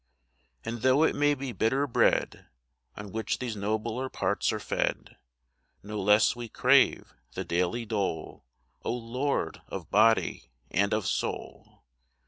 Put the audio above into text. And though it may be bitter bread On which these nobler parts are fed, No less we crave the daily dole, O Lord, of body and of soul